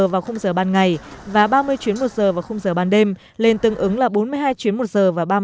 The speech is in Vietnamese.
vào giờ ban ngày và ba mươi chuyến một giờ vào giờ ban đêm lên tương ứng là bốn mươi hai chuyến một giờ và ba mươi